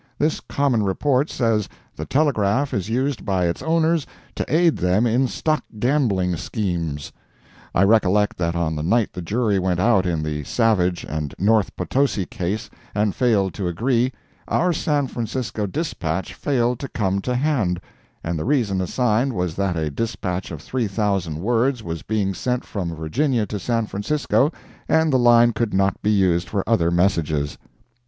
This common report says the telegraph is used by its owners to aid them in stock gambling schemes. I recollect that on the night the jury went out in the Savage and North Potosi case and failed to agree, our San Francisco dispatch failed to come to hand, and the reason assigned was that a dispatch of 3,000 words was being sent from Virginia to San Francisco and the line could not be used for other messages.